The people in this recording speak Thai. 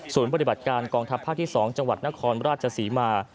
ปฏิบัติการกองทัพภาคที่๒จังหวัดนครราชศรีมา